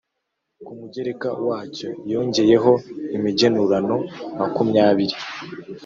Ku mugereka wacyo yongeyeho imigenurano makumyabiri